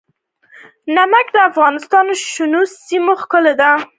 نمک د افغانستان د شنو سیمو ښکلا ده.